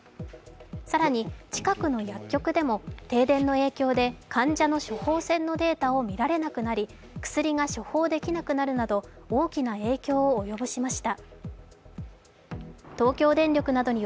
更に、近くの薬局でも停電の影響で患者の処方箋のデータを見られなくなり、薬が処方できなくなるなど大きな影響を及ぼしました。